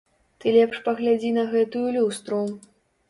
Ты лепш паглядзі на гэтую люстру.